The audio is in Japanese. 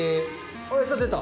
あっ餌出た。